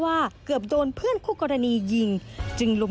ครับทีเดียวครับผม